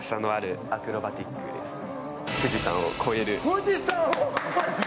富士山を？